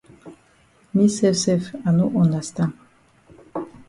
Me sef sef I no understand.